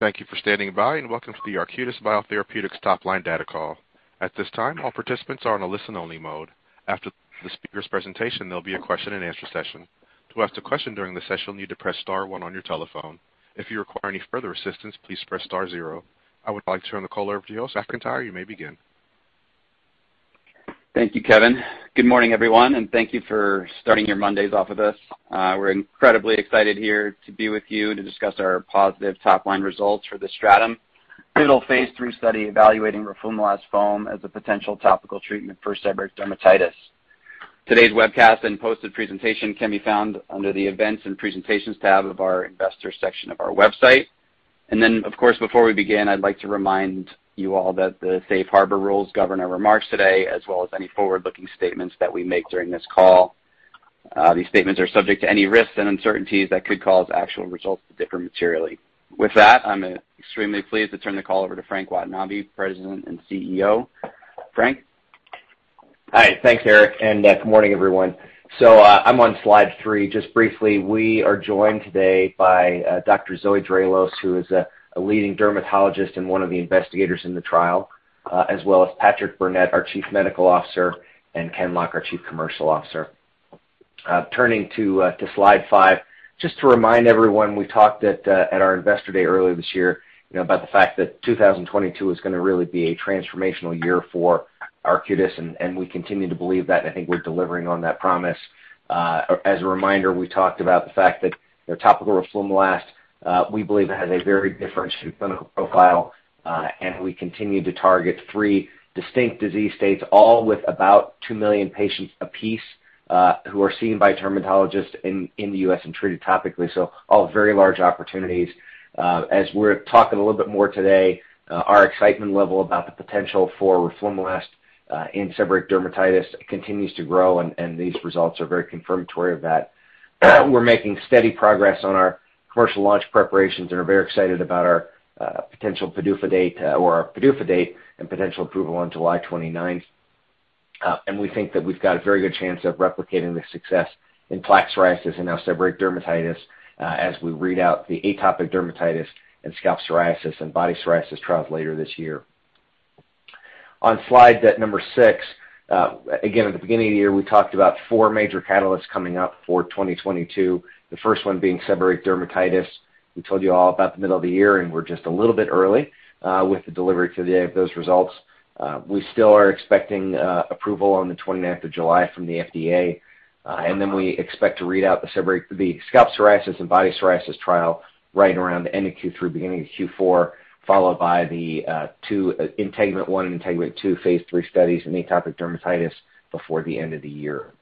Thank you for standing by, and welcome to the Arcutis Biotherapeutics top-line data call. At this time, all participants are on a listen only mode. After the speaker's presentation, there'll be a question and answer session. To ask a question during the session, you'll need to press star one on your telephone. If you require any further assistance, please press star zero. I would like to turn the call over to you, Eric McIntyre. You may begin. Thank you, Kevin. Good morning, everyone, and thank you for starting your Mondays off with us. We're incredibly excited here to be with you to discuss our positive top-line results for the STRATUM pivotal phase III study evaluating roflumilast foam as a potential topical treatment for seborrheic dermatitis. Today's webcast and posted presentation can be found under the events and presentations tab of our investor section of our website. Of course, before we begin, I'd like to remind you all that the safe harbor rules govern our remarks today as well as any forward-looking statements that we make during this call. These statements are subject to any risks and uncertainties that could cause actual results to differ materially. With that, I'm extremely pleased to turn the call over to Frank Watanabe, President and CEO. Frank? Hi. Thanks, Eric, and good morning, everyone. I'm on slide three. Just briefly, we are joined today by Dr. Zoe Draelos who is a leading dermatologist and one of the investigators in the trial, as well as Patrick Burnett, our Chief Medical Officer, and Ken Lock, our Chief Commercial Officer. Turning to slide five, just to remind everyone, we talked at our Investor Day earlier this year, you know, about the fact that 2022 is going to really be a transformational year for Arcutis. We continue to believe that and I think we're delivering on that promise. As a reminder, we talked about the fact that the topical roflumilast, we believe has a very different clinical profile, and we continue to target three distinct disease states, all with about 2 million patients apiece who are seen by dermatologists in the U.S. and treated topically, so all very large opportunities. As we're talking a little bit more today, our excitement level about the potential for roflumilast in seborrheic dermatitis continues to grow and these results are very confirmatory of that. We're making steady progress on our commercial launch preparations and are very excited about our potential PDUFA date or our PDUFA date and potential approval on July 29. We think that we've got a very good chance of replicating the success in plaque psoriasis and now seborrheic dermatitis as we read out the atopic dermatitis and scalp psoriasis and body psoriasis trials later this year. On slide number six, again, at the beginning of the year, we talked about four major catalysts coming up for 2022, the first one being seborrheic dermatitis. We told you all about the middle of the year and we're just a little bit early with the delivery today of those results. We still are expecting approval on the 29th of July from the FDA. We expect to read out the seborrheic scalp psoriasis and body psoriasis trial right around the end of Q3, beginning of Q4, followed by the two, INTEGUMENT-1 and INTEGUMENT-2 phase III studies in atopic dermatitis before the end of the year.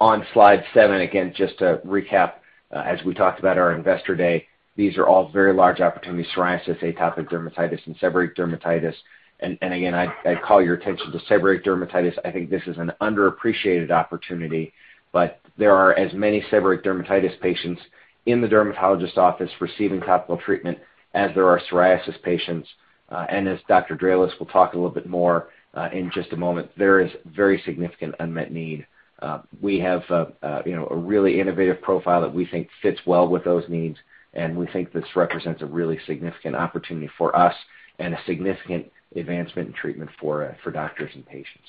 On slide seven, again, just to recap, as we talked about our Investor Day, these are all very large opportunities, psoriasis, atopic dermatitis, and seborrheic dermatitis. Again, I call your attention to seborrheic dermatitis. I think this is an underappreciated opportunity, but there are as many seborrheic dermatitis patients in the dermatologist office receiving topical treatment, as there are psoriasis patients. As Dr. Draelos will talk a little bit more in just a moment, there is very significant unmet need. We have, you know, a really innovative profile that we think fits well with those needs and we think this represents a really significant opportunity for us and a significant advancement in treatment for doctors and patients.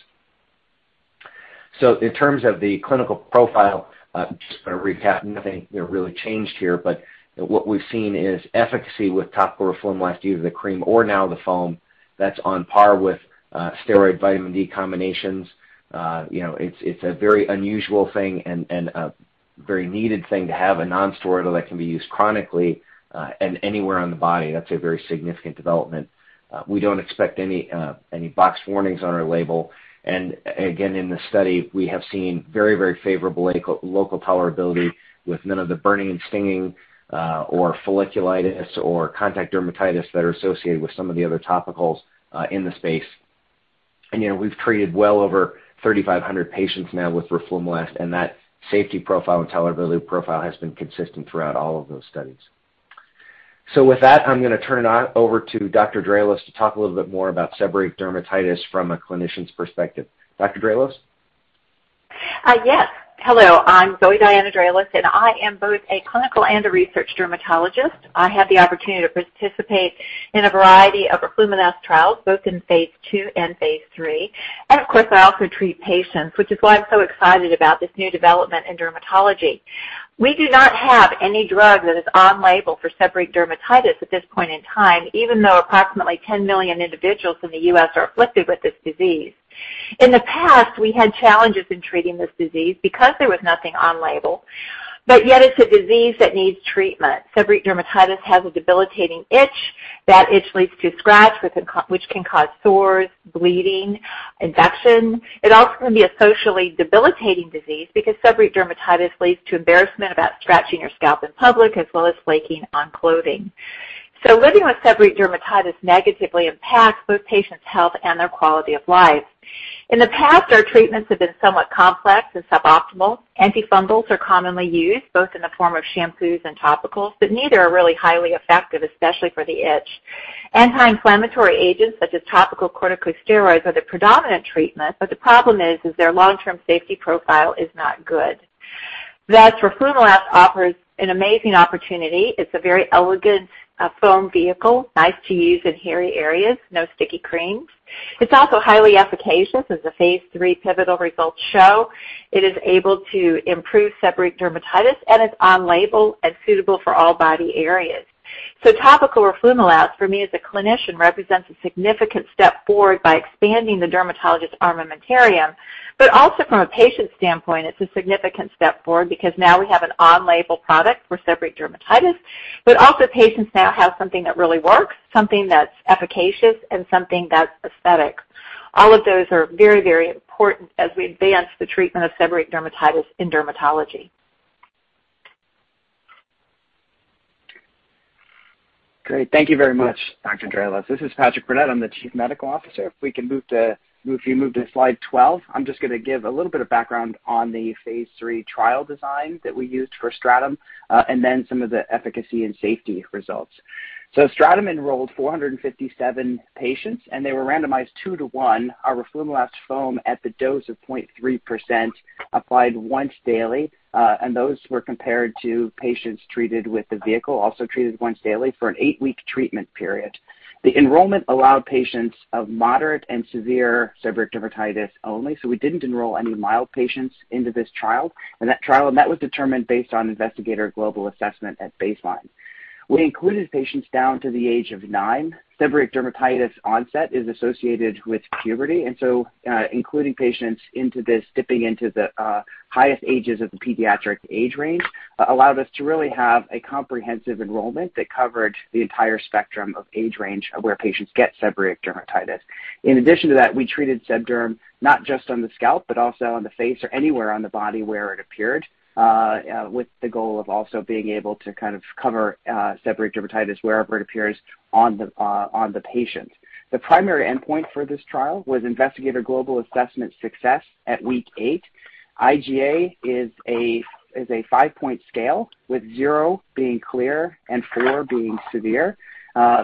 In terms of the clinical profile, I'm just going to recap, nothing, you know, really changed here, but what we've seen is efficacy with topical roflumilast, either the cream or now the foam that's on par with steroid vitamin D combinations. It's a very unusual thing and a very needed thing to have, a non-steroidal that can be used chronically, and anywhere on the body. That's a very significant development. We don't expect any box warnings on our label. Again, in the study, we have seen very, very favorable local tolerability with none of the burning and stinging, or folliculitis, or contact dermatitis that are associated with some of the other topicals, in the space. We've treated well over 3,500 patients now with roflumilast, and that safety profile and tolerability profile has been consistent throughout all of those studies. With that, I'm going to turn it over to Dr. Draelos to talk a little bit more about seborrheic dermatitis from a clinician's perspective. Dr. Draelos? Yes. Hello. I'm Zoe Diana Draelos and I am both a clinical and a research dermatologist. I had the opportunity to participate in a variety of roflumilast trials, both in phase II and phase III, and, of course, I also treat patients, which is why I'm so excited about this new development in dermatology. We do not have any drug that is on label for seborrheic dermatitis at this point in time, even though approximately 10 million individuals in the U.S. are afflicted with this disease. In the past, we had challenges in treating this disease because there was nothing on label, but yet it's a disease that needs treatment. Seborrheic dermatitis has a debilitating itch. That itch leads to scratch, which can cause sores, bleeding, infection. It also can be a socially debilitating disease because seborrheic dermatitis leads to embarrassment about scratching your scalp in public as well as flaking on clothing. Living with seborrheic dermatitis negatively impacts both patients' health and their quality of life. In the past, our treatments have been somewhat complex and suboptimal. Antifungals are commonly used both in the form of shampoos and topicals, but neither are really highly effective, especially for the itch. Anti-inflammatory agents such as topical corticosteroids are the predominant treatment but the problem is their long-term safety profile is not good. Thus, roflumilast offers an amazing opportunity. It's a very elegant, foam vehicle, nice to use in hairy areas, no sticky creams. It's also highly efficacious, as the phase III pivotal results show. It is able to improve seborrheic dermatitis, and it's on-label, and suitable for all body areas. Topical roflumilast for me as a clinician represents a significant step forward by expanding the dermatologist's armamentarium. Also, from a patient standpoint, it's a significant step forward because now we have an on-label product for seborrheic dermatitis, but also patients now have something that really works, something that's efficacious, and something that's aesthetic. All of those are very, very important as we advance the treatment of seborrheic dermatitis in dermatology. Great. Thank you very much, Dr. Draelos. This is Patrick Burnett. I'm the Chief Medical Officer. If you move to slide 12, I'm just going to give a little bit of background on the phase III trial design that we used for STRATUM, and then some of the efficacy and safety results. STRATUM enrolled 457 patients, and they were randomized two to one, our roflumilast foam at the dose of 0.3% applied once daily. And those were compared to patients treated with the vehicle, also treated once daily for an eight-week treatment period. The enrollment allowed patients of moderate and severe seborrheic dermatitis only, so we didn't enroll any mild patients into this trial. That was determined based on Investigator Global Assessment at baseline. We included patients down to the age of nine. Seborrheic dermatitis onset is associated with puberty so including patients into this, dipping into the highest ages of the pediatric age range, allowed us to really have a comprehensive enrollment that covered the entire spectrum of age range of where patients get seborrheic dermatitis. In addition to that, we treated seb derm not just on the scalp, but also on the face or anywhere on the body where it appeared with the goal of also being able to kind of cover seborrheic dermatitis wherever it appears on the patient. The primary endpoint for this trial was Investigator Global Assessment success at week eight. IGA is a five-point scale, with zero being clear and four being severe.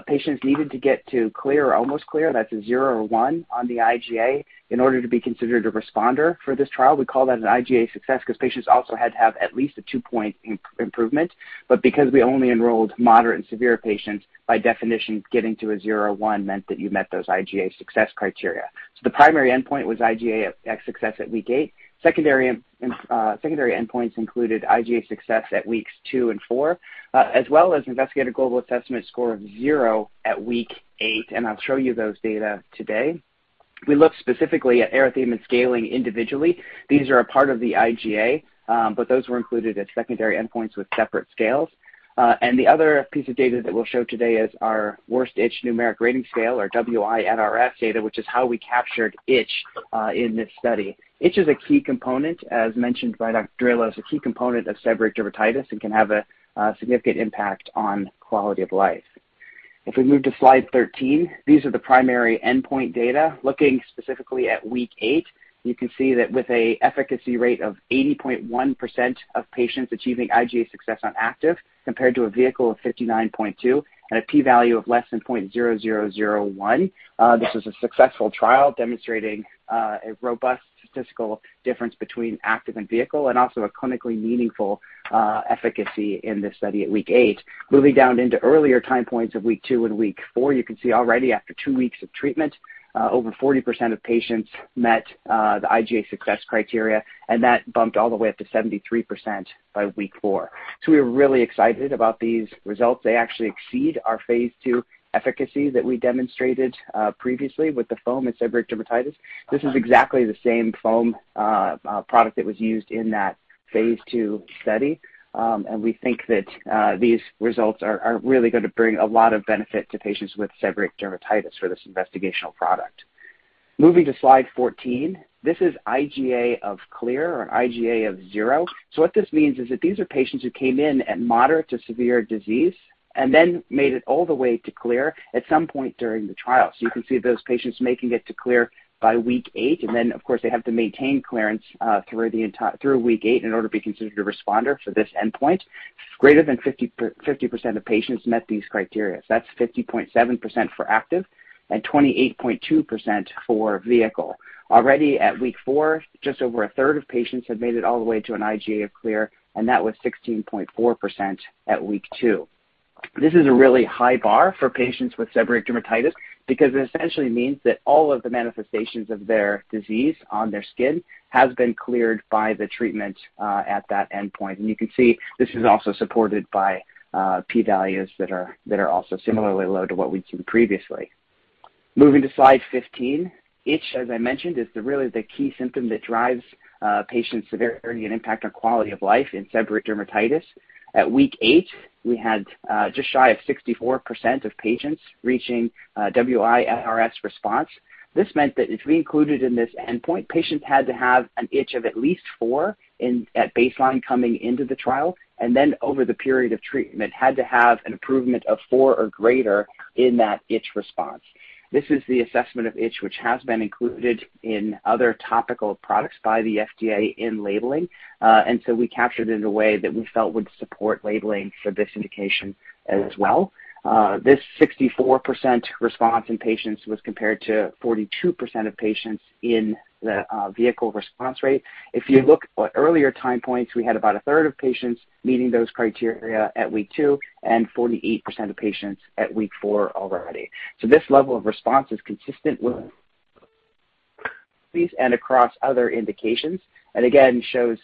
Patients needed to get to clear or almost clear, that's a zero or one on the IGA, in order to be considered a responder for this trial. We call that an IGA success 'cause patients also had to have at least a two-point improvement, but because we only enrolled moderate and severe patients, by definition, getting to a zero or one meant that you met those IGA success criteria. The primary endpoint was IGA success at week eight. Secondary endpoints included IGA success at weeks two and four, as well as Investigator Global Assessment score of zero at week eight, and I'm showing you those data today. We looked specifically at erythema scaling individually. These are a part of the IGA but those were included as secondary endpoints with separate scales. The other piece of data that we'll show today is our Worst Itch Numeric Rating Scale or WINRS data, which is how we captured itch in this study. Itch is a key component, as mentioned by Dr. Draelos, of seborrheic dermatitis and can have a significant impact on quality of life. If we move to slide 13, these are the primary endpoint data. Looking specifically at week eight and you can see that with an efficacy rate of 80.1% of patients achieving IGA success on active compared to a vehicle of 59.2 and a p-value of less than 0.0001. This was a successful trial demonstrating a robust statistical difference between active and vehicle and also a clinically meaningful efficacy in this study at week eight. Moving down into earlier time points of week two and week four, you can see already after two weeks of treatment, over 40% of patients met the IGA success criteria, and that bumped all the way up to 73% by week four. We are really excited about these results. They actually exceed our phase II efficacy that we demonstrated previously with the foam and seborrheic dermatitis. This is exactly the same foam product that was used in that phase II study. We think that these results are really going to bring a lot of benefit to patients with seborrheic dermatitis for this investigational product. Moving to slide 14, this is IGA of clear or IGA of zero. What this means is that these are patients who came in at moderate to severe disease and then made it all the way to clear at some point during the trial. You can see those patients making it to clear by week eight and then, of course, they have to maintain clearance through week eight in order to be considered a responder for this endpoint. Greater than 50% of patients met these criteria so that's 50.7% for active and 28.2% for vehicle. Already at week four, just over 1/3 Of patients have made it all the way to an IGA of clear, and that was 16.4% at week two. This is a really high bar for patients with seborrheic dermatitis because it essentially means that all of the manifestations of their disease on their skin has been cleared by the treatment at that endpoint. You can see this is also supported by p-values that are also similarly low to what we'd seen previously. Moving to slide 15, itch, as I mentioned, is really the key symptom that drives patients' severity and impact on quality of life in seborrheic dermatitis. At week eight, we had just shy of 64% of patients reaching a WINRS response. This meant that to be included in this endpoint, patients had to have an itch of at least four at baseline coming into the trial, and then over the period of treatment, had to have an improvement of four or greater in that itch response. This is the assessment of itch, which has been included in other topical products by the FDA in labeling. We captured it in a way that we felt would support labeling for this indication as well. This 64% response in patients was compared to 42% of patients in the vehicle response rate. If you look at earlier time points, we had about a third of patients meeting those criteria at week two and 48% of patients at week four already. This level of response is consistent with these and across other indications, and again shows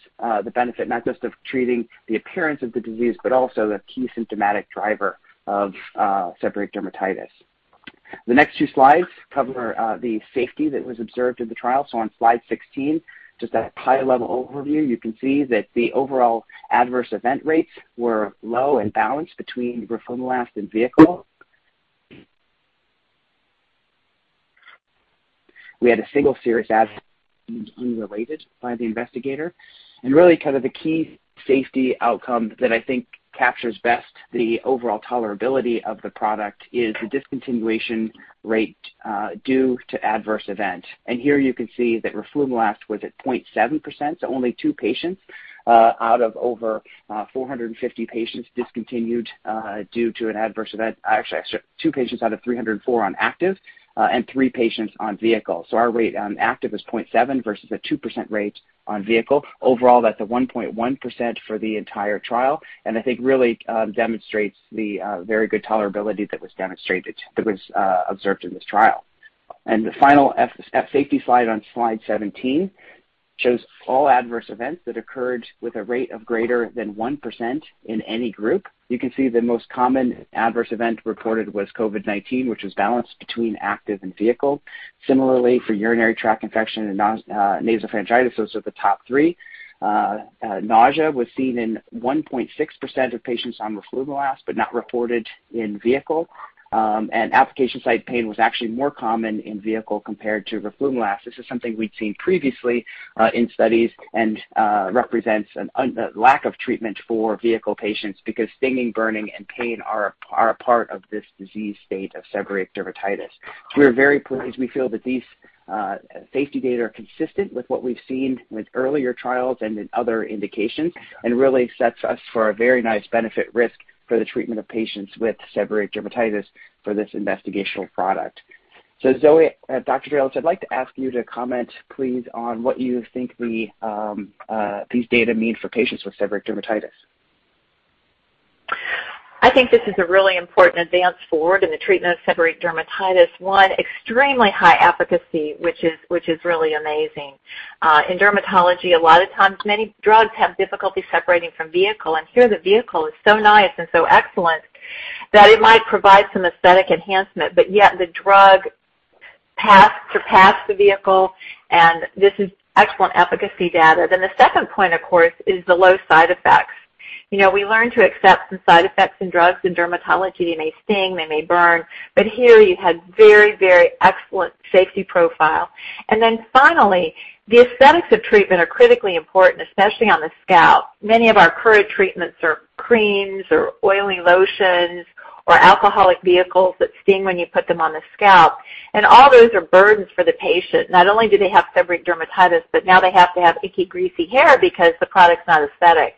the benefit not just of treating the appearance of the disease, but also the key symptomatic driver of seborrheic dermatitis. The next two slides cover the safety that was observed in the trial. On slide 16, just a high-level overview. You can see that the overall adverse event rates were low and balanced between roflumilast and vehicle. We had a single serious adverse event unrelated by the investigator and really kind of the key safety outcome that I think captures best the overall tolerability of the product is the discontinuation rate due to adverse event. Here you can see that roflumilast was at 0.7% so only two patients out of over 450 patients discontinued due to an adverse event. Actually, two patients out of 304 on active and three patients on vehicle. Our rate on active is 0.7% versus a 2% rate on vehicle. Overall, that's a 1.1% for the entire trial and I think really demonstrates the very good tolerability that was observed in this trial. The final safety slide on slide 17 shows all adverse events that occurred with a rate of greater than 1% in any group. You can see the most common adverse event reported was COVID-19, which was balanced between active and vehicle. Similarly for urinary tract infection and nasopharyngitis, those are the top three. Nausea was seen in 1.6% of patients on roflumilast but not reported in vehicle. Application site pain was actually more common in vehicle compared to roflumilast. This is something we'd seen previously in studies and represents the lack of treatment for vehicle patients because stinging, burning, and pain are a part of this disease state of seborrheic dermatitis. We are very pleased, and we feel that these safety data are consistent with what we've seen with earlier trials and in other indications, and really sets us for a very nice benefit-risk for the treatment of patients with seborrheic dermatitis for this investigational product. Zoe, Dr. Draelos, I'd like to ask you to comment please on what you think these data mean for patients with seborrheic dermatitis. I think this is a really important advance forward in the treatment of seborrheic dermatitis. One, extremely high efficacy, which is really amazing. In dermatology, a lot of times many drugs have difficulty separating from vehicle, and here the vehicle is so nice and so excellent that it might provide some aesthetic enhancement. But yet the drug path surpassed the vehicle, and this is excellent efficacy data. Then the second point, of course, is the low side effects. We learn to accept some side effects in drugs. In dermatology, they may sting, they may burn, but here you had very, very excellent safety profile. Then finally, the aesthetics of treatment are critically important especially on the scalp. Many of our current treatments are creams or oily lotions or alcoholic vehicles that sting when you put them on the scalp and all those are burdens for the patient. Not only do they have seborrheic dermatitis but now they have to have icky, greasy hair because the product's not aesthetic.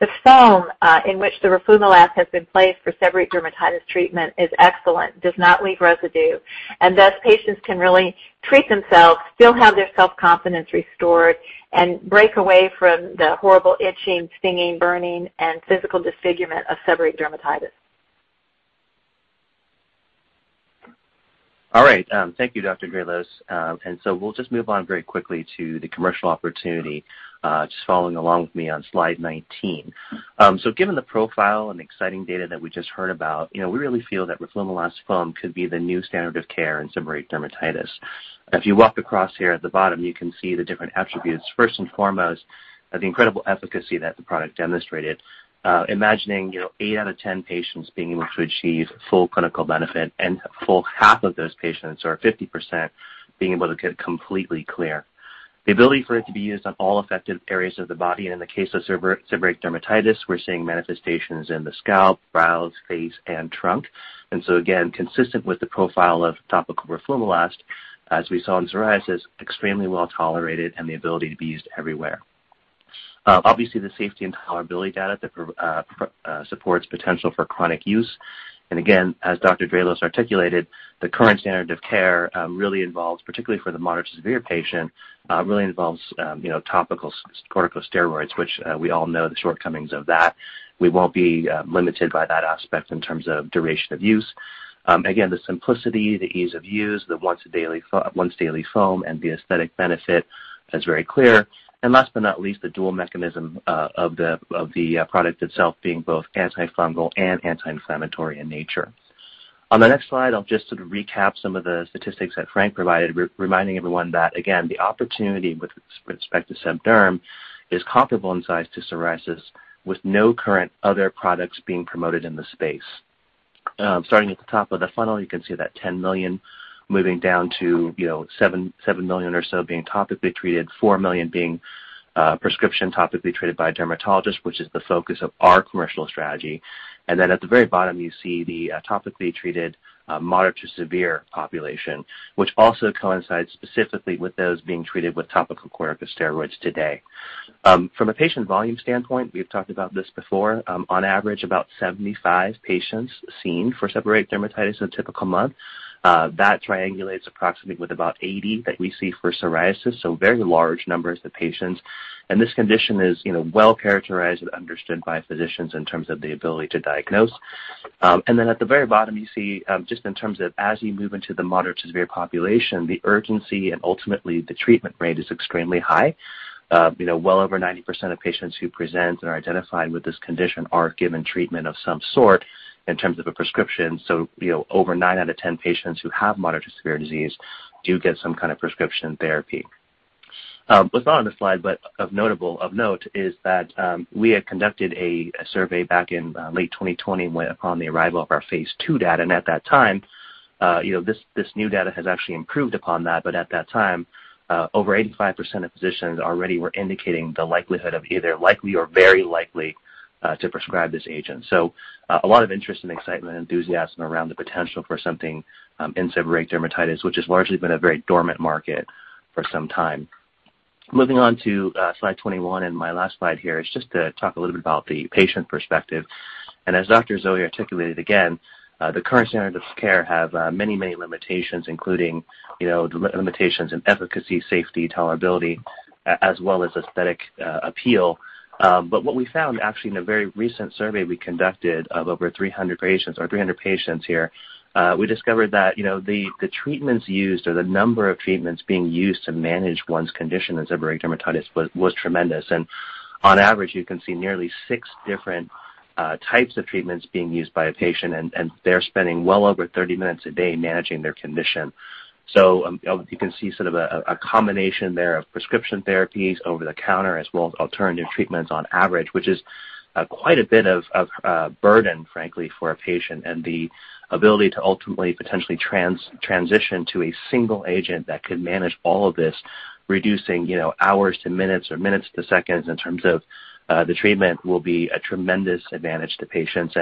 This foam in which the roflumilast has been placed for seborrheic dermatitis treatment is excellent, does not leave residue, and thus, patients can really treat themselves, still have their self-confidence restored, and break away from the horrible itching, stinging, burning, and physical disfigurement of seborrheic dermatitis. All right. Thank you, Dr. Draelos. We'll just move on very quickly to the commercial opportunity, just following along with me on slide 19. Given the profile and exciting data that we just heard about, you know, we really feel that roflumilast foam could be the new standard of care in seborrheic dermatitis. If you walk across here at the bottom, you can see the different attributes. First and foremost, the incredible efficacy that the product demonstrated, imagining, you know, eight out of 10 patients being able to achieve full clinical benefit and a full half of those patients, or 50%, being able to get completely clear. The ability for it to be used on all affected areas of the body and in the case of seborrheic dermatitis, we're seeing manifestations in the scalp, brows, face, and trunk. Again, and consistent with the profile of topical roflumilast, as we saw in psoriasis, extremely well-tolerated and the ability to be used everywhere. Obviously, the safety and tolerability data that supports potential for chronic use. Again, as Dr. Draelos articulated, the current standard of care really involves, particularly for the moderate to severe patient really involves, you know, topical corticosteroids, which we all know the shortcomings of that. We won't be limited by that aspect in terms of duration of use. Again, the simplicity, the ease of use, the once-daily foam, and the aesthetic benefit is very clear. Last but not least, the dual mechanism of the product itself being both antifungal and anti-inflammatory in nature. On the next slide, I'll just sort of recap some of the statistics that Frank provided, reminding everyone that, again, the opportunity with respect to seb derm is comparable in size to psoriasis with no current other products being promoted in the space. Starting at the top of the funnel, you can see that 10 million moving down to, you know, 7 million or so being topically treated, 4 million being prescription topically treated by a dermatologist, which is the focus of our commercial strategy. Then at the very bottom, you see the topically treated moderate to severe population, which also coincides specifically with those being treated with topical corticosteroids today. From a patient volume standpoint, we've talked about this before, on average, about 75 patients seen for seborrheic dermatitis in a typical month. That triangulates approximately with about 80 that we see for psoriasis so very large numbers of patients. This condition is, you know, well-characterized and understood by physicians in terms of the ability to diagnose. At the very bottom, you see, just in terms of as you move into the moderate to severe population, the urgency and ultimately the treatment rate is extremely high. Well over 90% of patients who present and are identified with this condition are given treatment of some sort in terms of a prescription. you know, over nine out of 10 patients who have moderate to severe disease do get some kind of prescription therapy. What's not on the slide, but of note is that, we had conducted a survey back in late 2020 when upon the arrival of our phase II data. At that time, you know, this new data has actually improved upon that. At that time, over 85% of physicians already were indicating the likelihood of either likely or very likely to prescribe this agent so a lot of interest and excitement, enthusiasm around the potential for something in seborrheic dermatitis, which has largely been a very dormant market for some time. Moving on to slide 21, and my last slide here is just to talk a little bit about the patient perspective. As Dr. Draelos articulated, again, the current standard of care have many limitations, including, you know, the limitations in efficacy, safety, tolerability, as well as aesthetic appeal. What we found actually in a very recent survey we conducted of over 300 patients or 300 patients here, we discovered that, you know, the treatments used or the number of treatments being used to manage one's condition in seborrheic dermatitis was tremendous. On average, you can see nearly six different types of treatments being used by a patient and they're spending well over 30 minutes a day managing their condition. You can see sort of a combination there of prescription therapies over the counter as well as alternative treatments on average, which is quite a bit of burden, frankly, for a patient. The ability to ultimately potentially transition to a single agent that could manage all of this, reducing, you know, hours to minutes or minutes to seconds in terms of the treatment will be a tremendous advantage to patients.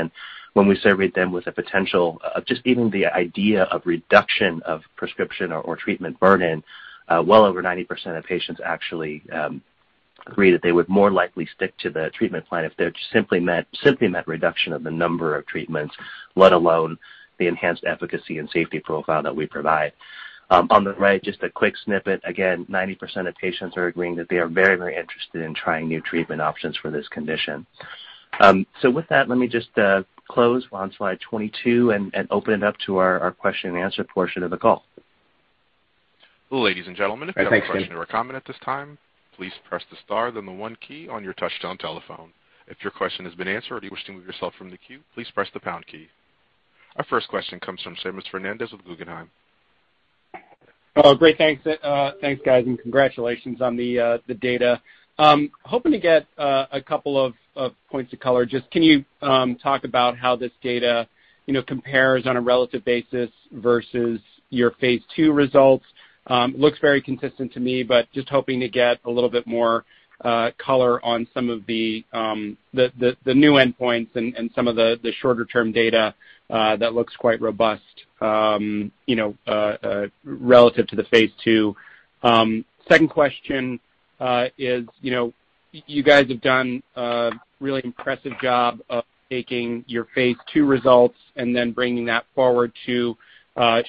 When we surveyed them with a potential of just even the idea of reduction of prescription or treatment burden, well over 90% of patients actually agree that they would more likely stick to the treatment plan if there simply meant reduction of the number of treatments, let alone the enhanced efficacy and safety profile that we provide. On the right, just a quick snippet, again, 90% of patients are agreeing that they are very, very interested in trying new treatment options for this condition. With that, let me just close on slide 22 and open it up to our question and answer portion of the call. Ladies and gentlemen. Yeah. Thanks, Ken. If you have a question or a comment at this time, please press the star, then the one key on your touchtone telephone. If your question has been answered or you wish to move yourself from the queue, please press the pound key. Our first question comes from Seamus Fernandez with Guggenheim. Great, thanks. Thanks, guys, and congratulations on the data. Hoping to get a couple of points of color. Just can you talk about how this data, you know, compares on a relative basis versus your phase II results? Looks very consistent to me, but just hoping to get a little bit more color on some of the new endpoints and some of the shorter-term data that looks quite robust, you know, relative to the phase II. Second question is, you know, you guys have done a really impressive job of taking your phase II results and then bringing that forward to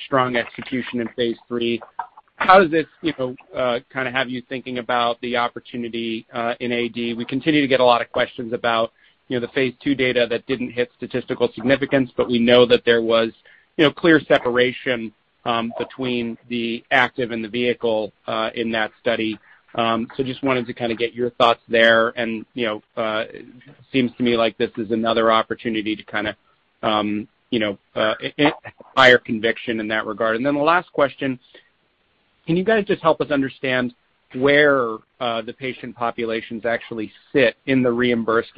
strong execution in phase III. How does this, you know, kind of have you thinking about the opportunity in AD? We continue to get a lot of questions about, you know, the phase II data that didn't hit statistical significance. We know that there was, you know, clear separation between the active and the vehicle in that study so just wanted to kind of get your thoughts there. It seems to me like this is another opportunity to kind of, you know, higher conviction in that regard. Then the last question, can you guys just help us understand where the patient populations actually sit in the reimbursed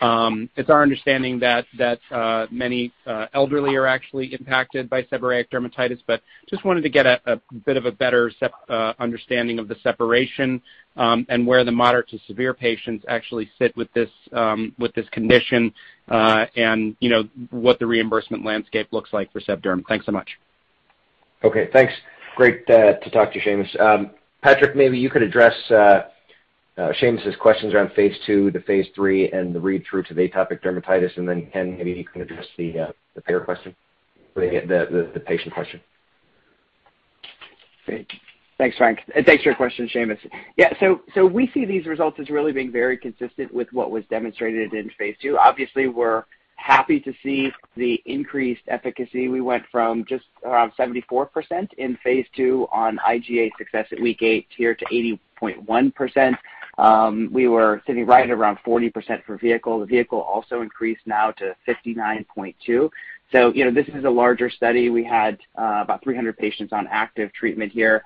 landscape? It's our understanding that many elderly are actually impacted by seborrheic dermatitis, but I just wanted to get a bit of a better understanding of the separation, and where the moderate to severe patients actually sit with this condition, and you know, what the reimbursement landscape looks like for seb derm. Thanks so much. Okay, thanks. Great to talk to you, Seamus. Patrick, maybe you could address Seamus' questions around phase II to phase III and the read-through to atopic dermatitis, and then, Ken, maybe you can address the payer question or the patient question. Great. Thanks, Frank. Thanks for your question, Seamus. Yeah, so we see these results as really being very consistent with what was demonstrated in phase II. Obviously, we're happy to see the increased efficacy. We went from just around 74% in phase II on IGA success at week eight here to 80.1%. We were sitting right around 40% for vehicle. The vehicle also increased now to 59.2%. This is a larger study. We had about 300 patients on active treatment here.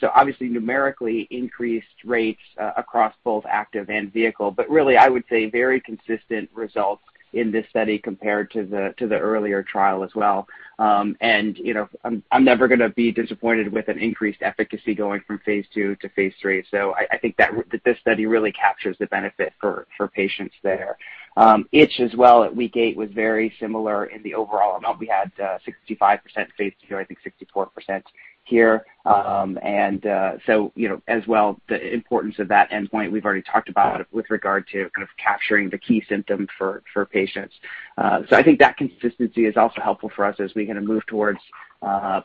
So obviously numerically increased rates across both active and vehicle, but really, I would say very consistent results in this study compared to the earlier trial as well. I'm never going to be disappointed with an increased efficacy going from phase II to phase III. I think that this study really captures the benefit for patients there. Itch as well at week eight was very similar in the overall amount. We had 65% phase II, I think 64% here, you know, as well, the importance of that endpoint we've already talked about with regard to kind of capturing the key symptom for patients. I think that consistency is also helpful for us as we kind of move towards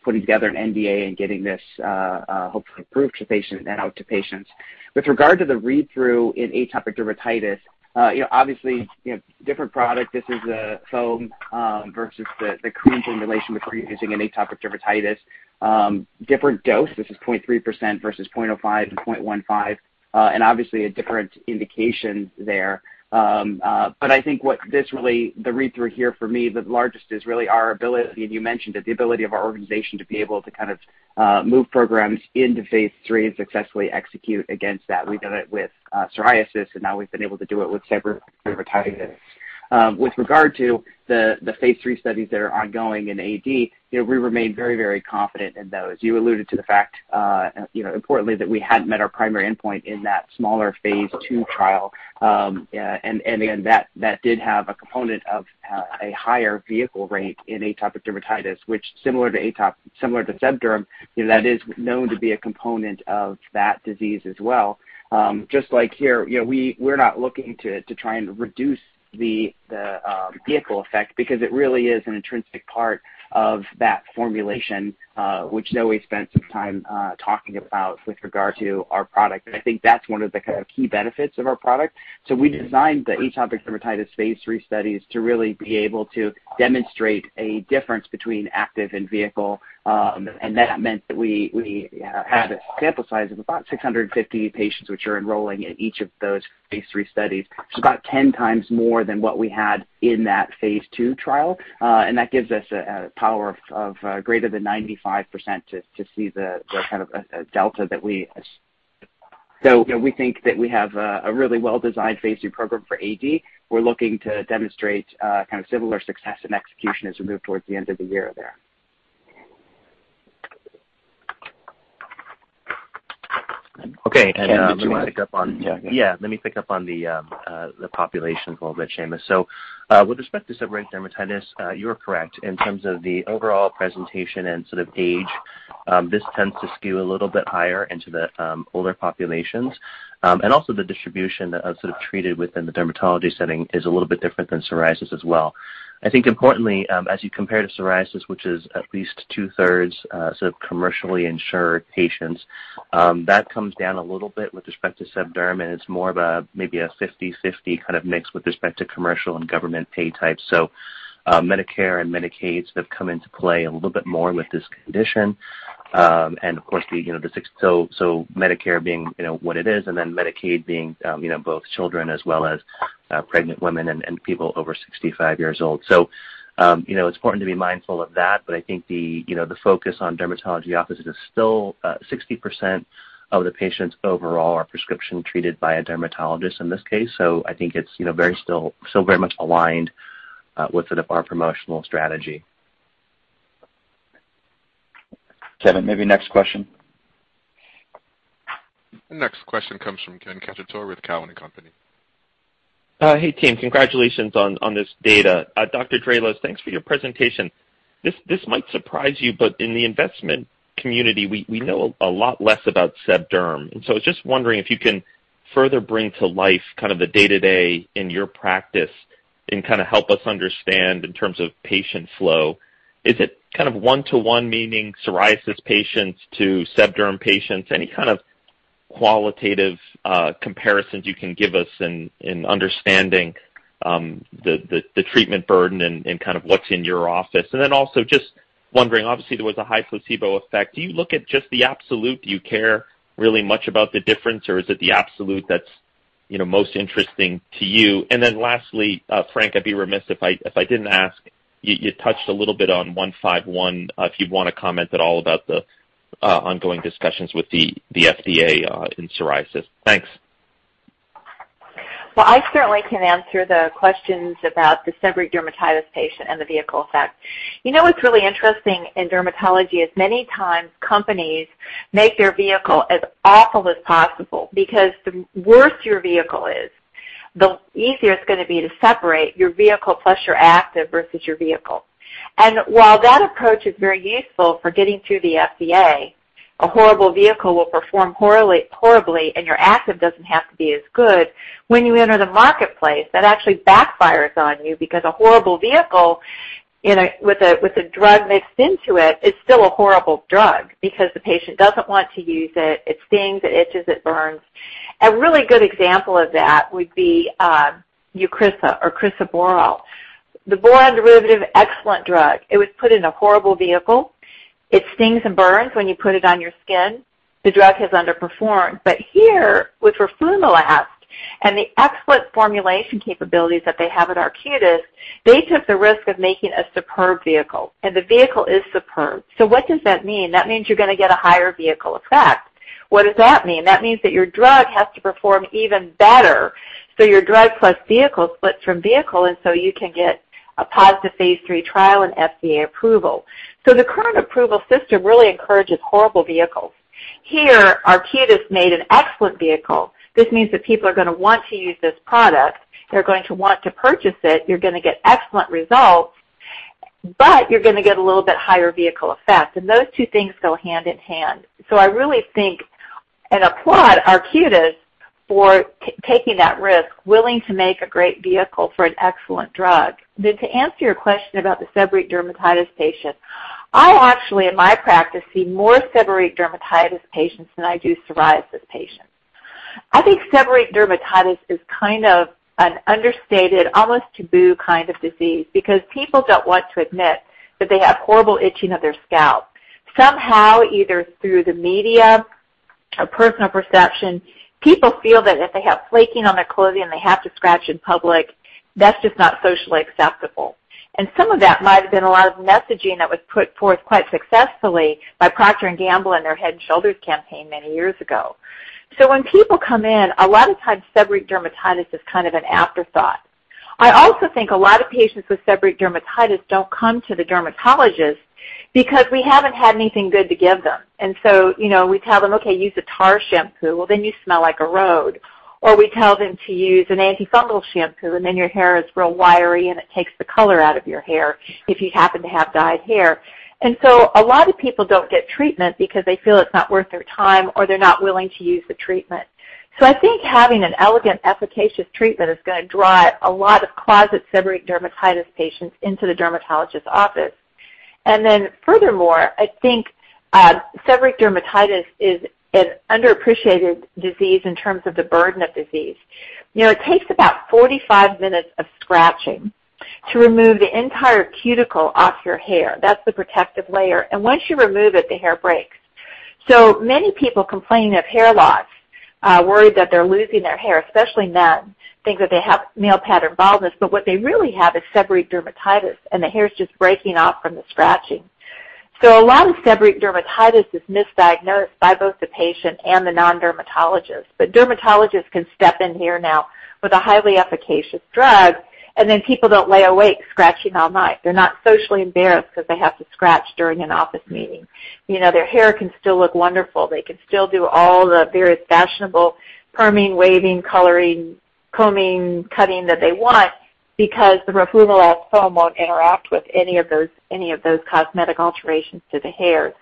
putting together an NDA and getting this hopefully approved to patients and out to patients. With regard to the read-through in atopic dermatitis, you know, obviously, you know, different product. This is a foam versus the cream formulation we're previously using in atopic dermatitis. Different dose, this is 0.3% versus 0.05% and 0.15%, and obviously a different indication there. I think what this really the read-through here for me, the largest is really our ability, and you mentioned it, the ability of our organization to be able to kind of move programs into phase III and successfully execute against that. We've done it with psoriasis and now we've been able to do it with seborrheic dermatitis. With regard to the phase III studies that are ongoing in AD, you know, we remain very, very confident in those. You alluded to the fact, you know, importantly that we hadn't met our primary endpoint in that smaller phase II trial. Yeah, again, that did have a component of a higher vehicle rate in atopic dermatitis, which similar to seb derm, you know, that is known to be a component of that disease as well. Just like here, you know, we're not looking to try and reduce the vehicle effect because it really is an intrinsic part of that formulation, which Zoe spent some time talking about with regard to our product. I think that's one of the kind of key benefits of our product. We designed the atopic dermatitis phase III studies to really be able to demonstrate a difference between active and vehicle. That meant that we had a sample size of about 650 patients, which are enrolling in each of those phase III studies so about 10x more than what we had in that phase II trial. That gives us a power of greater than 95% to see the kind of a delta that, you know, we think that we have a really well-designed phase III program for AD. We're looking to demonstrate kind of similar success and execution as we move towards the end of the year there. Okay. Did you want to pick up on it? Yeah. Let me pick up on, yeah. Let me pick up on the population for a bit, Seamus. With respect to seborrheic dermatitis, you're correct. In terms of the overall presentation and sort of age, this tends to skew a little bit higher into the older populations. Also, the distribution sort of treated within the dermatology setting is a little bit different than psoriasis as well. I think importantly, as you compare to psoriasis, which is at least two-thirds sort of commercially insured patients, that comes down a little bit with respect to Sebderm, and it's more of a maybe a 50/50 kind of mix with respect to commercial and government pay types. Medicare and Medicaid have come into play a little bit more with this condition. Of course, you know, Medicare being, you know, what it is, and then Medicaid being, you know, both children as well as pregnant women and people over 65 years old, so, you know, it's important to be mindful of that. But I think the, you know, the focus on dermatology offices is still 60% of the patients overall are prescription treated by a dermatologist in this case. I think it's, you know, very still very much aligned with sort of our promotional strategy. Kevin, maybe next question. The next question comes from Ken Cacciatore with Cowen and Company. Hey, team, congratulations on this data. Dr. Draelos, thanks for your presentation. This might surprise you, but in the investment community, we know a lot less about seb derm. I was just wondering if you can further bring to life kind of the day-to-day in your practice and kind of help us understand in terms of patient flow. Is it kind of one-to-one, meaning psoriasis patients to seb derm patients? Any kind of qualitative comparisons you can give us in understanding the treatment burden and kind of what's in your office. Also just wondering, obviously, there was a high placebo effect. Do you look at just the absolute? Do you care really much about the difference, or is it the absolute that's, you know, most interesting to you? Lastly, Frank, I'd be remiss if I didn't ask, you touched a little bit on ARQ-151, if you want to comment at all about the ongoing discussions with the FDA in psoriasis. Thanks. Well, I certainly can answer the questions about the seborrheic dermatitis patient and the vehicle effect. You know what's really interesting in dermatology is many times companies make their vehicle as awful as possible because the worse your vehicle is, the easier it's going to be to separate your vehicle plus your active versus your vehicle. While that approach is very useful for getting through the FDA, a horrible vehicle will perform horribly, and your active doesn't have to be as good. When you enter the marketplace, that actually backfires on you because a horrible vehicle with a drug mixed into it is still a horrible drug because the patient doesn't want to use it. It stings, it itches, it burns. A really good example of that would be Eucrisa or crisaborole. The boron derivative, excellent drug, it was put in a horrible vehicle. It stings and burns when you put it on your skin. The drug has underperformed. Here, with roflumilast and the excellent formulation capabilities that they have at Arcutis, they took the risk of making a superb vehicle, and the vehicle is superb. What does that mean? That means you're going to get a higher vehicle effect. What does that mean? That means that your drug has to perform even better, so your drug plus vehicle splits from vehicle, and so you can get a positive phase III trial and FDA approval. The current approval system really encourages horrible vehicles. Here, Arcutis made an excellent vehicle. This means that people are going to want to use this product. They're going to want to purchase it. You're going to get excellent results, but you're going to get a little bit higher vehicle effect and those two things go hand in hand. I really think and applaud Arcutis for taking that risk, willing to make a great vehicle for an excellent drug. To answer your question about the seborrheic dermatitis patient, I actually, in my practice, see more seborrheic dermatitis patients than I do psoriasis patients. I think seborrheic dermatitis is kind of an understated, almost taboo kind of disease, because people don't want to admit that they have horrible itching of their scalp. Somehow, either through the media or personal perception, people feel that if they have flaking on their clothing, they have to scratch in public, that's just not socially acceptable. Some of that might have been a lot of messaging that was put forth quite successfully by Procter & Gamble in their Head & Shoulders campaign many years ago. When people come in, a lot of times seborrheic dermatitis is kind of an afterthought. I also think a lot of patients with seborrheic dermatitis don't come to the dermatologist because we haven't had anything good to give them. We tell them, "Okay, use a tar shampoo." well, then you smell like a road, or we tell them to use an antifungal shampoo, and then your hair is real wiry, and it takes the color out of your hair, if you happen to have dyed hair. A lot of people don't get treatment because they feel it's not worth their time or they're not willing to use the treatment. I think having an elegant, efficacious treatment is going to draw a lot of closet seborrheic dermatitis patients into the dermatologist's office. Furthermore, I think seborrheic dermatitis is an underappreciated disease in terms of the burden of disease. It takes about 45 minutes of scratching to remove the entire cuticle off your hair. That's the protective layer. Once you remove it, the hair breaks. Many people complain of hair loss, worried that they're losing their hair, especially men think that they have male pattern baldness. What they really have is seborrheic dermatitis and the hair is just breaking off from the scratching. A lot of seborrheic dermatitis is misdiagnosed by both the patient and the non-dermatologist. Dermatologists can step in here now with a highly efficacious drug, and then people don't lay awake scratching all night. They're not socially embarrassed because they have to scratch during an office meeting, you know, their hair can still look wonderful. They can still do all the various fashionable perming, waving, coloring, combing, cutting that they want because the roflumilast foam won't interact with any of those cosmetic alterations to the hair.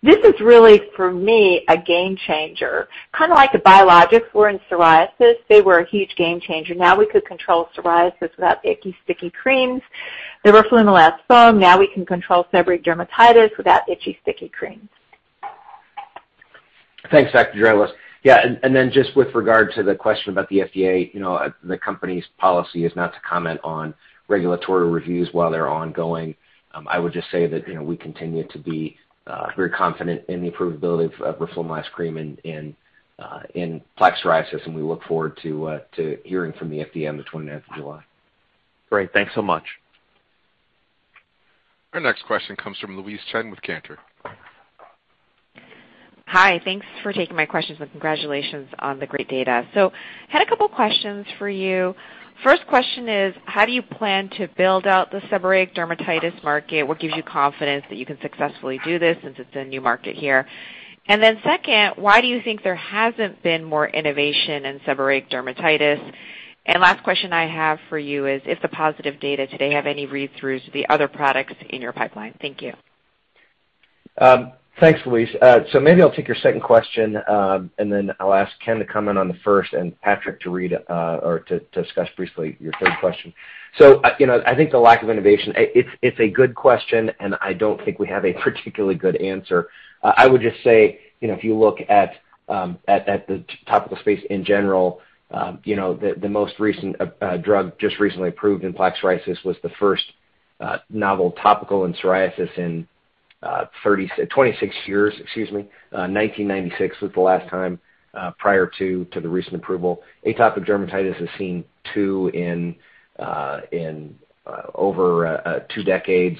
This is really, for me, a game changer, kind of like the biologics were in psoriasis, they were a huge game changer. Now we could control psoriasis without icky, sticky creams. The roflumilast foam, now we can control seborrheic dermatitis without itchy, sticky creams. Thanks, Dr. Draelos. Yeah. Then just with regard to the question about the FDA, the company's policy is not to comment on regulatory reviews while they're ongoing. I would just say that we continue to be very confident in the approvability of roflumilast cream in plaque psoriasis, and we look forward to hearing from the FDA on the 20th of July. Great. Thanks so much. Our next question comes from Louise Chen with Cantor. Hi. Thanks for taking my questions and congratulations on the great data. I had a couple questions for you. First question is, how do you plan to build out the seborrheic dermatitis market? What gives you confidence that you can successfully do this since it's a new market here? Second, why do you think there hasn't been more innovation in seborrheic dermatitis? Last question I have for you is, if the positive data today have any read-throughs to the other products in your pipeline. Thank you. Thanks, Louise. Maybe I'll take your second question, and then I'll ask Ken to comment on the first, and Patrick to read or to discuss briefly your third question. You know, I think the lack of innovation, it's a good question, and I don't think we have a particularly good answer. I would just say, you know, if you look at the topical space in general, you know, the most recent drug just recently approved in plaque psoriasis was the first novel topical in psoriasis in 26 years, 1996 was the last time prior to the recent approval. Atopic dermatitis has seen two in over two decades.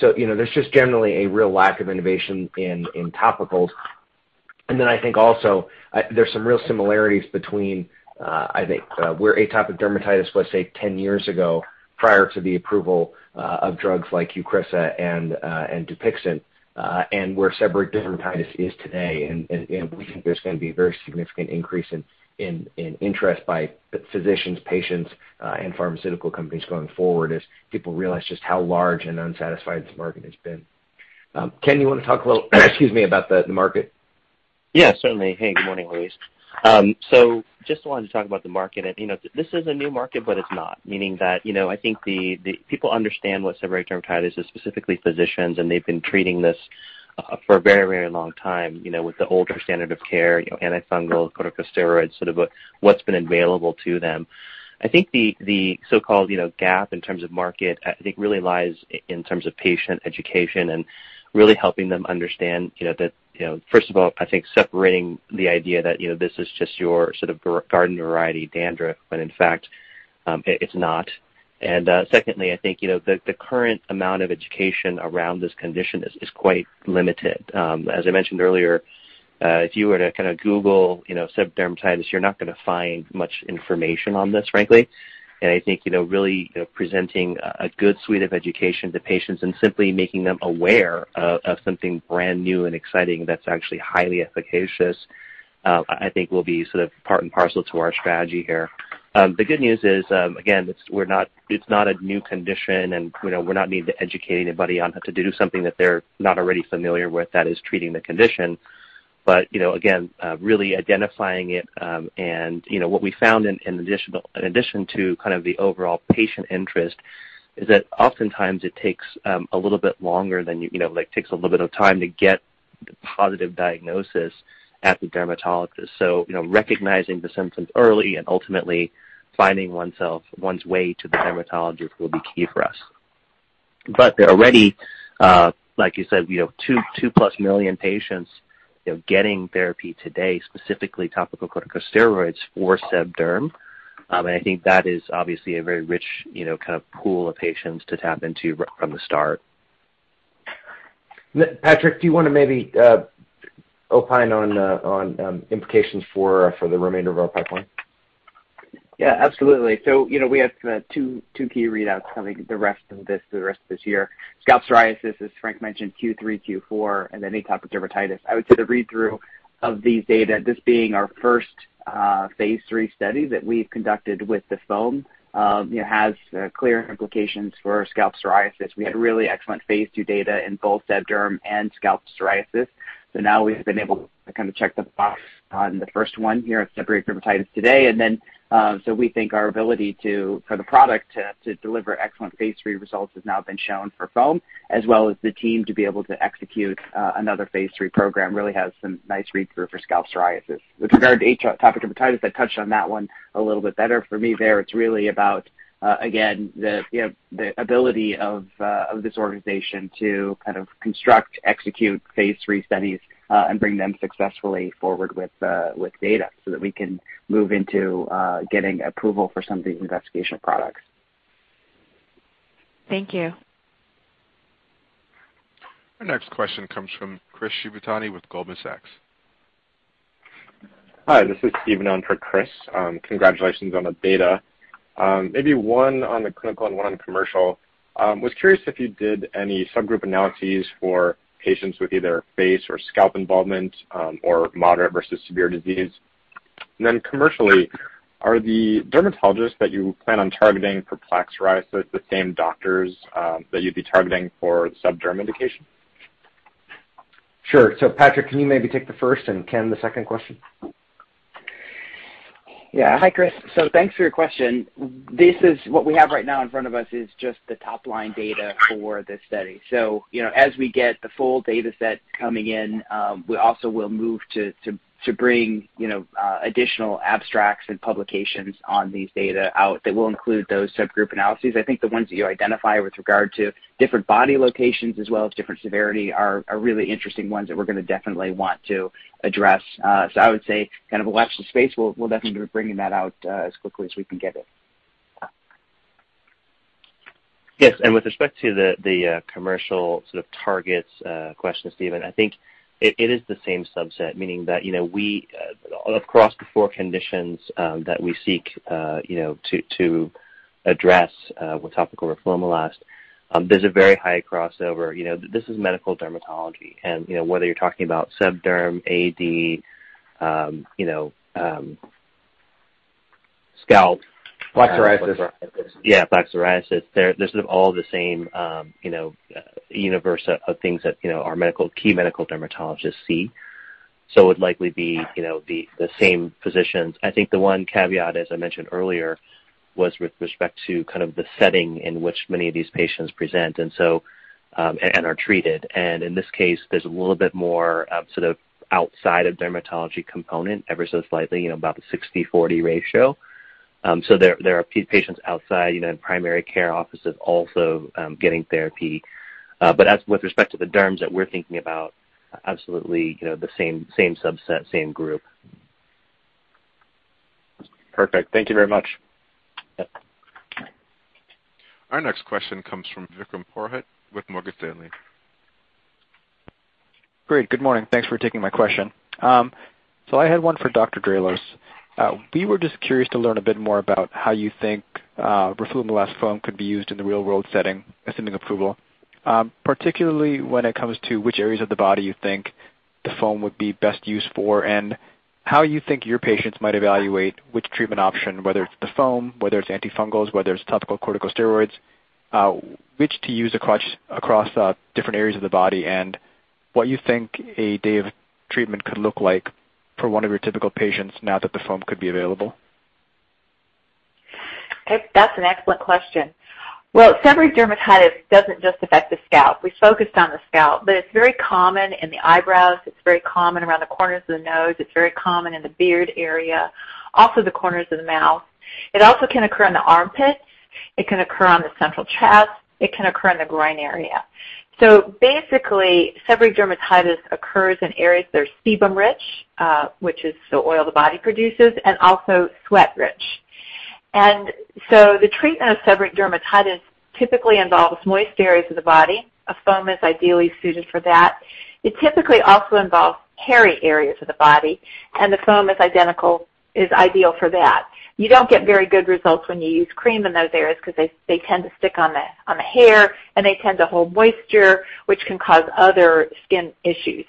There's just generally a real lack of innovation in topicals. I think also, there's some real similarities between, I think, where atopic dermatitis was, say, 10 years ago prior to the approval of drugs like Eucrisa and Dupixent and where seborrheic dermatitis is today. We think there's going to be a very significant increase in interest by physicians, patients, and pharmaceutical companies going forward as people realize just how large and unsatisfied this market has been. Ken, you want to talk a little, excuse me, about the market? Yeah, certainly. Hey, good morning, Louise. I just wanted to talk about the market. You know, this is a new market, but it's not. Meaning that, you know, I think the people understand what seborrheic dermatitis is, specifically physicians, and they've been treating this for a very, very long time, you know, with the older standard of care, you know, antifungal corticosteroids, sort of what's been available to them. I think the so-called, you know, gap in terms of market, I think, really lies in terms of patient education and really helping them understand, you know, that, you know, first of all, I think separating the idea that, you know, this is just your sort of garden variety dandruff when, in fact, it is not. Secondly, I think the current amount of education around this condition is quite limited. As I mentioned earlier, if you were to kind of Google seborrheic dermatitis, you're not going to find much information on this, frankly. I think really presenting a good suite of education to patients and simply making them aware of something brand new and exciting that's actually highly efficacious, I think will be sort of part and parcel to our strategy here. The good news is, again, it's not a new condition, and, you know, we're not needing to educate anybody on how to do something that they're not already familiar with, that is treating the condition. Again, really identifying it, and, you know, what we found in addition to kind of the overall patient interest is that oftentimes it takes a little bit longer than, you know, like takes a little bit of time to get the positive diagnosis at the dermatologist, you know, recognizing the symptoms early and ultimately finding one's way to the dermatologist will be key for us. There are already like you said you know 2-plus million patients you know getting therapy today, specifically topical corticosteroids for seb derm. I think that is obviously a very rich, you know, kind of pool of patients to tap into from the start. Patrick, do you want to maybe opine on implications for the remainder of our pipeline? Yeah, absolutely. We have two key readouts coming the rest of this year. Scalp psoriasis, as Frank mentioned, Q3, Q4, and then atopic dermatitis. I would say the read-through of these data, this being our first phase III study that we've conducted with the foam, you know, has clear implications for scalp psoriasis. We had really excellent phase II data in both seb derm and scalp psoriasis. Now we've been able to kind of check the box on the first one here at seborrheic dermatitis today. We think our ability too, for the product to deliver excellent phase III results has now been shown for foam as well as the team to be able to execute another phase III program really has some nice read-through for scalp psoriasis. With regard to atopic dermatitis, I touched on that one a little bit better. For me there, it's really about, again, the, you know, the ability of this organization to kind of construct, execute phase III studies, and bring them successfully forward with data so that we can move into getting approval for some of the investigational products. Thank you. Our next question comes from Chris Shibutani with Goldman Sachs. Hi, this is Steven in for Chris. Congratulations on the data. Maybe one on the clinical and one on commercial, was curious if you did any subgroup analyses for patients with either face or scalp involvement or moderate versus severe disease. Then, commercially, are the dermatologists that you plan on targeting for plaque psoriasis the same doctors that you'd be targeting for seb derm indication? Sure. Patrick, can you maybe take the first, and Ken, the second question? Yeah. Hi, Chris. Thanks for your question. This is what we have right now in front of us is just the top-line data for this study. As we get the full dataset coming in, we also will move to bring, you know, additional abstracts and publications on these data out that will include those subgroup analyses. I think the ones that you identify with regard to different body locations as well as different severity are really interesting ones that we're going to definitely want to address. I would say kind of watch the space. We'll definitely be bringing that out as quickly as we can get it. Yes. With respect to the commercial sort of targets question, Steven, I think it is the same subset, meaning that you know we across the four conditions that we seek you know to address with topical roflumilast, there's a very high crossover. You know, this is medical dermatology, and you know whether you're talking about seb derm, AD, you know scalp. Plaque psoriasis. Yeah, plaque psoriasis. This is all the same, you know, universe of things that, you know, key medical dermatologists see. It would likely be, you know, the same physicians. I think the one caveat, as I mentioned earlier, was with respect to kind of the setting in which many of these patients present, and are treated. In this case, there's a little bit more of sort of outside of dermatology component ever so slightly, you know, about the 60/40 ratio. There are a few patients outside, you know, in primary care offices also, getting therapy. As with respect to the derms that we're thinking about, absolutely, you know, the same subset, same group. Perfect. Thank you very much. Yep. Our next question comes from Vikram Purohit with Morgan Stanley. Great. Good morning. Thanks for taking my question. I had one for Dr. Draelos. We were just curious to learn a bit more about how you think roflumilast foam could be used in the real-world setting, assuming approval, particularly when it comes to which areas of the body you think the foam would be best used for, and how you think your patients might evaluate which treatment option, whether it's the foam, whether it's antifungals, whether it's topical corticosteroids, which to use across different areas of the body, and what you think a day of treatment could look like for one of your typical patients now that the foam could be available. That's an excellent question. Well, seborrheic dermatitis doesn't just affect the scalp. We focused on the scalp, but it's very common in the eyebrows. It's very common around the corners of the nose. It's very common in the beard area, also the corners of the mouth. It also can occur in the armpits. It can occur on the central chest. It can occur in the groin area. Basically, seborrheic dermatitis occurs in areas that are sebum rich, which is the oil the body produces, and also sweat rich. The treatment of seborrheic dermatitis typically involves moist areas of the body, a foam is ideally suited for that. It typically also involves hairy areas of the body, and the foam is ideal for that. You don't get very good results when you use cream in those areas because they tend to stick on the hair, and they tend to hold moisture, which can cause other skin issues.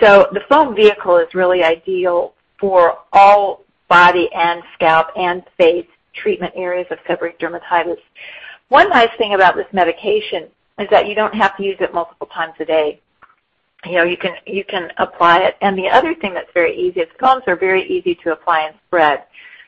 The foam vehicle is really ideal for all body and scalp and face treatment areas of seborrheic dermatitis. One nice thing about this medication is that you don't have to use it multiple times a day. You know, you can apply it. The other thing that's very easy is foams are very easy to apply and spread.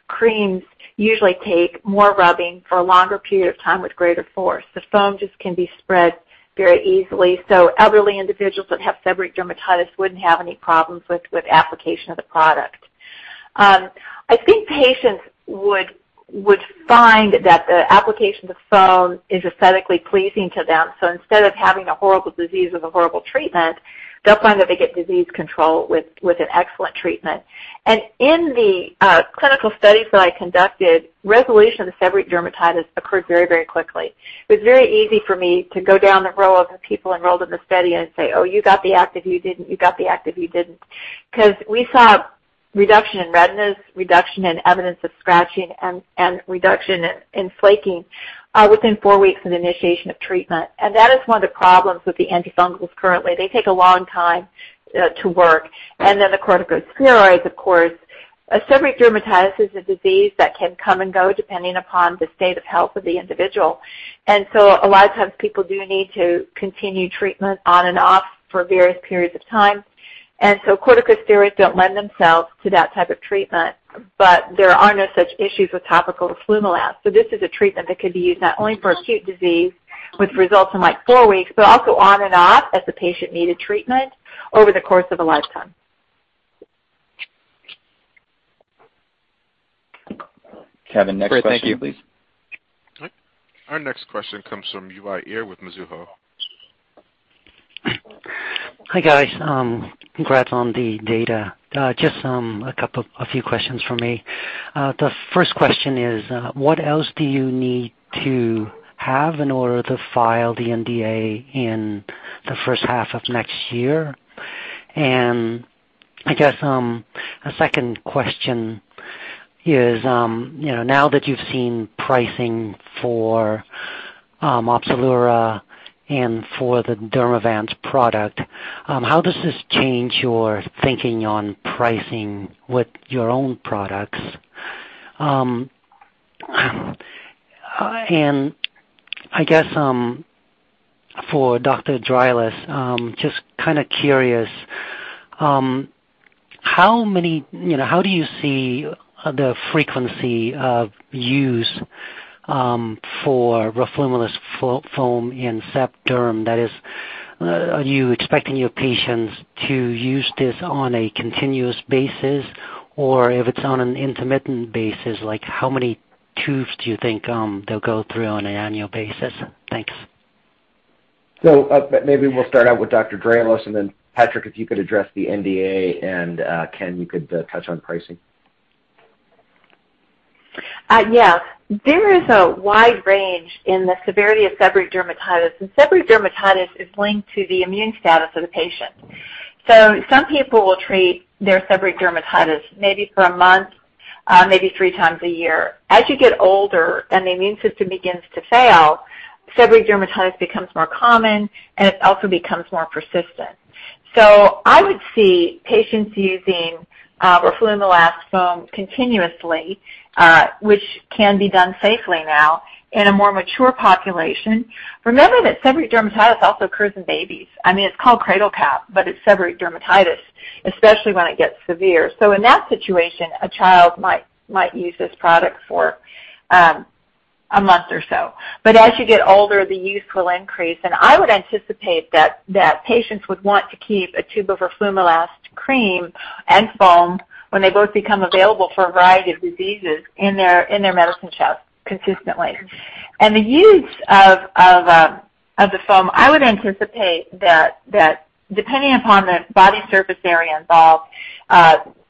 Creams usually take more rubbing for a longer period of time with greater force. The foam just can be spread very easily. Elderly individuals that have seborrheic dermatitis wouldn't have any problems with application of the product. I think patients would find that the application of the foam is aesthetically pleasing to them. Instead of having a horrible disease with a horrible treatment, they'll find that they get disease control with an excellent treatment. In the clinical studies that I conducted, resolution of seborrheic dermatitis occurred very quickly. It was very easy for me to go down the row of people enrolled in the study and say, "Oh, you got the active, you didn't, you got the active, you didn't." Because we saw reduction in redness, reduction in evidence of scratching, and reduction in flaking within four weeks of initiation of treatment. That is one of the problems with the antifungals currently. They take a long time to work, the corticosteroids, of course. Seborrheic dermatitis is a disease that can come and go depending upon the state of health of the individual. A lot of times people do need to continue treatment on and off for various periods of time. Corticosteroids don't lend themselves to that type of treatment but there are no such issues with topical roflumilast. This is a treatment that could be used not only for acute disease, which results in like four weeks, but also on and off as the patient needed treatment over the course of a lifetime. Kevin, next question, please. Great. Thank you. All right. Our next question comes from Uy Ear with Mizuho. Hi, guys, congrats on the data. Just a few questions from me, the first question is, what else do you need to have in order to file the NDA in the first half of next year? A second question is, you know, now that you've seen pricing for Opzelura and for the Dermavant product, how does this change your thinking on pricing with your own products? For Dr. Draelos, just kind of curious how you see the frequency of use for roflumilast foam in seb derm? That is, are you expecting your patients to use this on a continuous basis or if it's on an intermittent basis, like, how many tubes do you think they'll go through on an annual basis? Thanks. Maybe we'll start out with Dr. Draelos, and then Patrick, if you could address the NDA and Ken, you could touch on pricing. Yes. There is a wide range in the severity of seborrheic dermatitis, and seborrheic dermatitis is linked to the immune status of the patient. Some people will treat their seborrheic dermatitis maybe for a month, maybe 3x a year. As you get older and the immune system begins to fail, seborrheic dermatitis becomes more common and it also becomes more persistent. I would see patients using roflumilast foam continuously, which can be done safely now in a more mature population. Remember that seborrheic dermatitis also occurs in babies. I mean, it's called cradle cap, but it's seborrheic dermatitis, especially when it gets severe. In that situation, a child might use this product for a month or so. As you get older, the use will increase. I would anticipate that patients would want to keep a tube of roflumilast cream and foam when they both become available for a variety of diseases in their medicine chest consistently. The use of the foam, I would anticipate that depending upon the body surface area involved,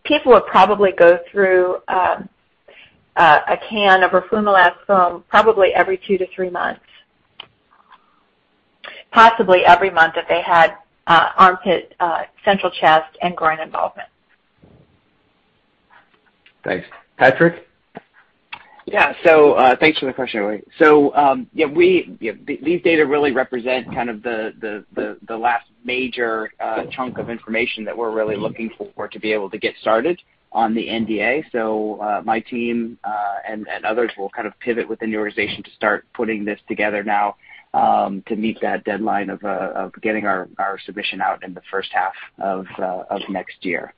people would probably go through a can of roflumilast foam probably every two to three months. Possibly every month if they had armpit, central chest and groin involvement. Thanks. Patrick? Yeah. Thanks for the question, Uy. These data really represent kind of the last major chunk of information that we're really looking for for to be able to get started on the NDA. My team and others will kind of pivot within the organization to start putting this together now to meet that deadline of getting our submission out in the first half of next year.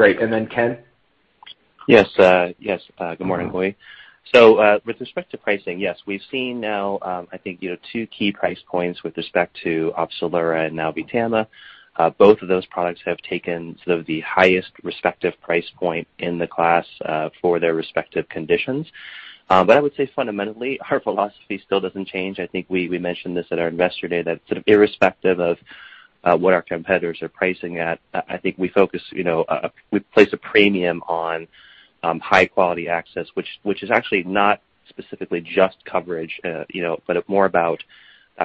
Great and then Ken? Yes, yes. Good morning, Uy. With respect to pricing, yes, we've seen now, I think, you know, two key price points with respect to Opzelura and now VTAMA. Both of those products have taken sort of the highest respective price point in the class for their respective conditions. I would say fundamentally, our philosophy still doesn't change. I think we mentioned this at our Investor Day, that sort of irrespective of what our competitors are pricing at, I think we focus, you know, we place a premium on high quality access, which is actually not specifically just coverage. Its more about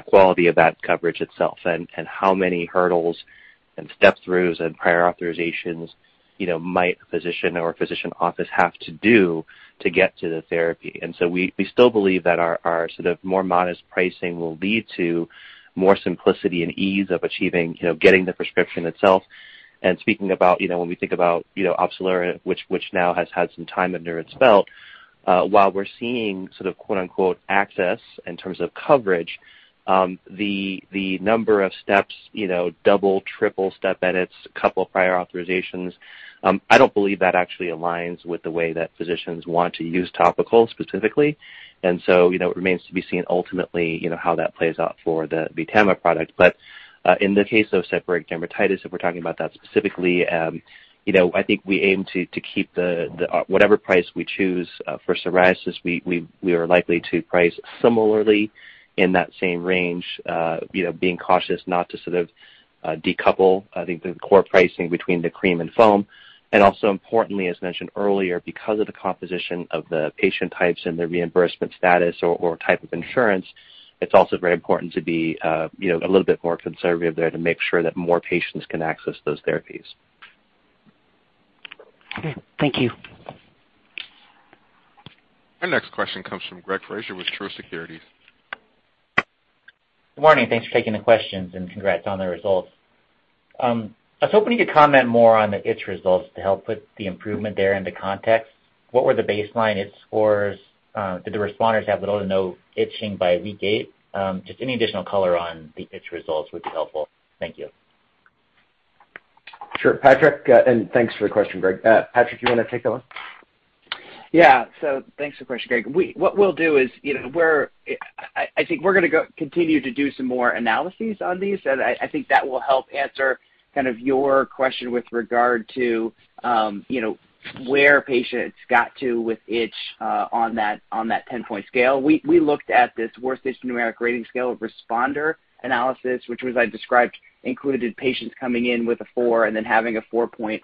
quality of that coverage itself and how many hurdles and step-throughs and prior authorizations, you know, might a physician or a physician office have to do to get to the therapy. We still believe that our sort of more modest pricing will lead to more simplicity and ease of achieving, you know, getting the prescription itself. Speaking about, you know, when we think about, you know, Opzelura, which now has had some time under its belt, while we're seeing sort of "access" in terms of coverage, the number of steps, you know, double, triple step edits, a couple of prior authorizations, I don't believe that actually aligns with the way that physicians want to use topicals specifically. It remains to be seen ultimately, you know, how that plays out for the VTAMA product. In the case of seborrheic dermatitis, if we're talking about that specifically, you know, I think we aim to keep the whatever price we choose for psoriasis, we are likely to price similarly in that same range, you know, being cautious not to sort of decouple, I think, the core pricing between the cream and foam. Also importantly, as mentioned earlier, because of the composition of the patient types and their reimbursement status or type of insurance, it's also very important to be, you know, a little bit more conservative there to make sure that more patients can access those therapies. Okay. Thank you. Our next question comes from Greg Fraser with Truist Securities. Good morning. Thanks for taking the questions and congrats on the results. I was hoping you could comment more on the itch results to help put the improvement there into context. What were the baseline itch scores? Did the responders have little to no itching by week eight? Just any additional color on the itch results would be helpful. Thank you. Sure. Patrick, thanks for the question, Greg. Patrick, do you want to take that one? Yeah. Thanks for the question, Greg. What we'll do is, you know, I think we're going to go continue to do some more analyses on these, and I think that will help answer kind of your question with regard to, you know, where patients got to with itch on that 10-point scale. We looked at this Worst Itch Numeric Rating Scale responder analysis, which, as I described, included patients coming in with a four and then having a four-point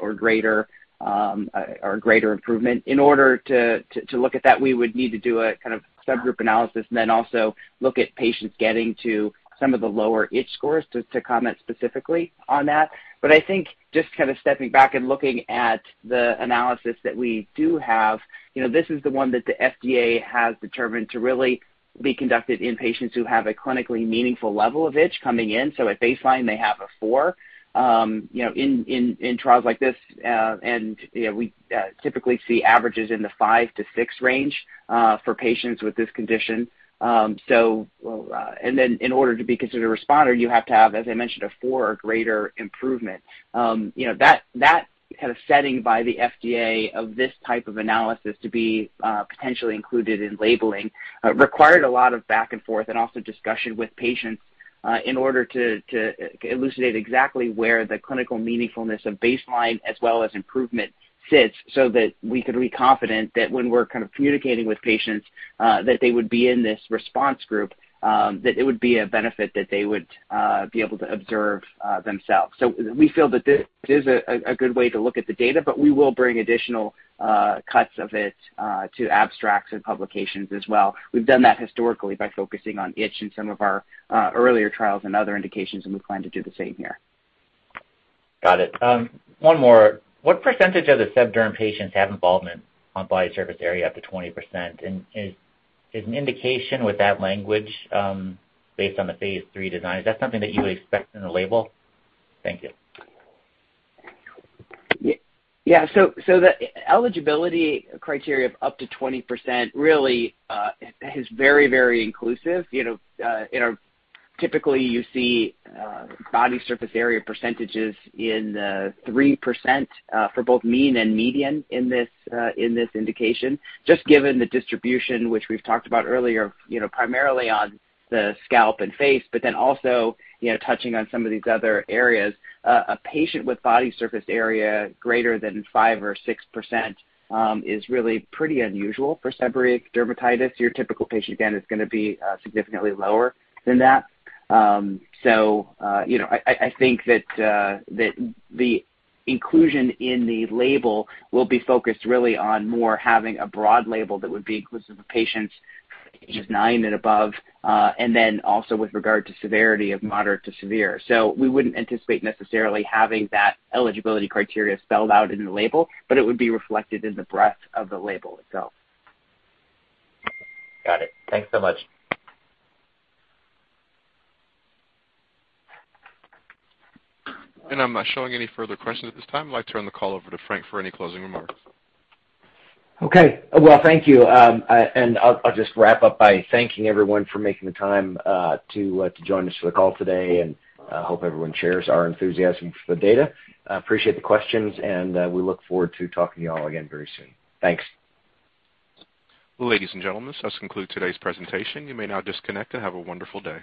or greater improvement. In order to look at that, we would need to do a kind of subgroup analysis and then also look at patients getting to some of the lower itch scores to comment specifically on that. I think just kind of stepping back and looking at the analysis that we do have, you know, this is the one that the FDA has determined to really be conducted in patients who have a clinically meaningful level of itch coming in, so at baseline, they have a four, you know, in trials like this, you know, we typically see averages in the five to six range for patients with this condition. Then in order to be considered a responder, you have to have, as I mentioned, a four or greater improvement. That kind of setting by the FDA of this type of analysis to be potentially included in labeling required a lot of back and forth and also discussion with patients in order to elucidate exactly where the clinical meaningfulness of baseline as well as improvement sits so that we could be confident that when we're kind of communicating with patients that they would be in this response group, that it would be a benefit that they would be able to observe themselves. We feel that this is a good way to look at the data, but we will bring additional cuts of it to abstracts and publications as well. We've done that historically by focusing on itch in some of our earlier trials and other indications, and we plan to do the same here. Got it. One more. What percentage of the seb derm patients have involvement on body surface area up to 20%? Is an indication with that language based on the phase III design? Is that something that you expect in the label? Thank you. Yeah. The eligibility criteria of up to 20% really is very, very inclusive. You know, you know, typically you see body surface area percentages in 3% for both mean and median in this indication, just given the distribution, which we've talked about earlier, you know, primarily on the scalp and face, but then also, you know, touching on some of these other areas, a patient with body surface area greater than 5% or 6% is really pretty unusual for seborrheic dermatitis. Your typical patient, again, is going to be significantly lower than that. I think that the inclusion in the label will be focused really on more having a broad label that would be inclusive of patients age nine and above, and then also with regard to severity of moderate to severe. We wouldn't anticipate necessarily having that eligibility criteria spelled out in the label, but it would be reflected in the breadth of the label itself. Got it. Thanks so much. I'm not showing any further questions at this time. I'd like to turn the call over to Frank for any closing remarks. Okay. Well, thank you, and I'll just wrap up by thanking everyone for making the time to join us for the call today, and I hope everyone shares our enthusiasm for the data. I appreciate the questions, and we look forward to talking to you all again very soon. Thanks. Ladies and gentlemen, this does conclude today's presentation. You may now disconnect and have a wonderful day.